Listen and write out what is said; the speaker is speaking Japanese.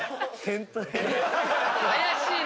怪しいな。